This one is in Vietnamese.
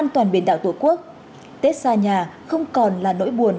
tết xa nhà không còn là nỗi buồn